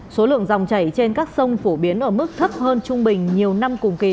số lượng dòng chảy trên các sông phổ biến ở mức thấp hơn trung bình nhiều năm cùng kỳ